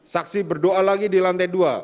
saksi berdoa lagi di lantai dua